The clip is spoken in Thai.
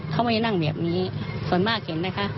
เขาไม่ได้นั่งแบบนี้ส่วนมากเห็นไหมคะ